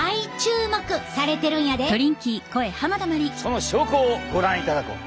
その証拠をご覧いただこう。